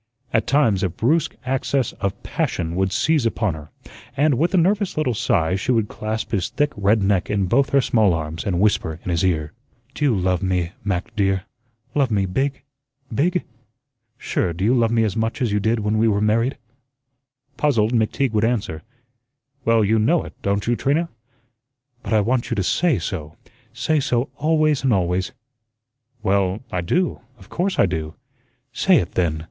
At times, a brusque access of passion would seize upon her, and, with a nervous little sigh, she would clasp his thick red neck in both her small arms and whisper in his ear: "Do you love me, Mac, dear? Love me BIG, BIG? Sure, do you love me as much as you did when we were married?" Puzzled, McTeague would answer: "Well, you know it, don't you, Trina?" "But I want you to SAY so; say so always and always." "Well, I do, of course I do." "Say it, then."